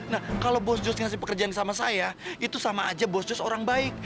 nah kalau bos jus ngasih pekerjaan sama saya itu sama aja bos jus orang baik